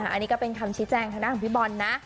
อันนี้ก็เป็นคำชี้แจงทางด้านของพี่บอลนะ